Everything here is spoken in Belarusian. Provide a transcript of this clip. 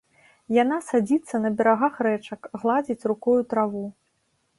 Яна садзіцца на берагах рэчак, гладзіць рукою траву.